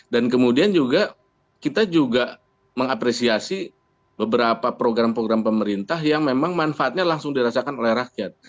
dan kemudian juga kita juga mengapresiasi beberapa program program pemerintah yang memang manfaatnya langsung dirasakan oleh rakyat